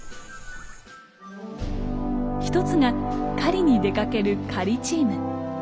一つが狩りに出かける狩りチーム。